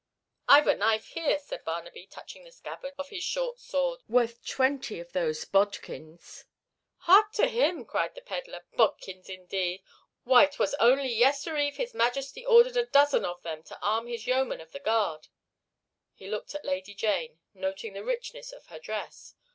"I've a knife here," said Barnaby, touching the scabbard of his short sword, "worth twenty of those bodkins." "Hark to him!" cried the pedler. "Bodkins indeed! Why, 'twas only yestereve his Majesty ordered a dozen of them to arm his Yeomen of the Guard!" He looked at Lady Jane, noting the richness of her dress.